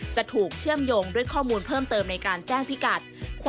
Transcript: จะถูกเชื่อมโยงด้วยข้อมูลเพิ่มเติมในการแจ้งพิกัด